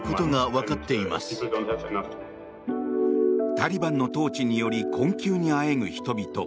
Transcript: タリバンの統治により困窮にあえぐ人々。